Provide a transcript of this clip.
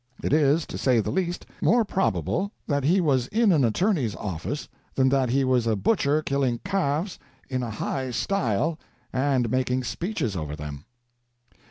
It is, to say the least, more probable that he was in an attorney's office than that he was a butcher killing calves 'in a high style,' and making speeches over them."